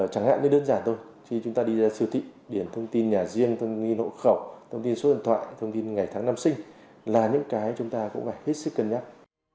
chẳng hạn mới đơn giản thôi khi chúng ta đi ra siêu thị điển thông tin nhà riêng thông nghi hộ khẩu thông tin số điện thoại thông tin ngày tháng năm sinh là những cái chúng ta cũng phải hết sức cân nhắc